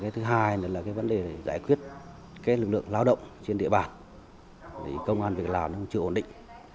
thứ hai là vấn đề giải quyết lực lượng lao động trên địa bàn công an việc làm chưa ổn định